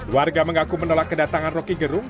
warga mengaku menolak kedatangan roky gerung